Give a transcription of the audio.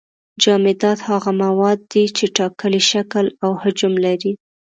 جامدات هغه مواد دي چې ټاکلی شکل او حجم لري.